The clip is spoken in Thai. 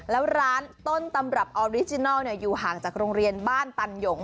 แล้วร้านต้นตำรับออริจินัลอยู่ห่างจากโรงเรียนบ้านตันหยง